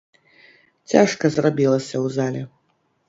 Цяжка зрабілася ў зале.